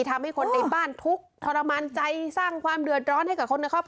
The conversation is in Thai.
ทำให้คนในบ้านทุกข์ทรมานใจสร้างความเดือดร้อนให้กับคนในครอบครัว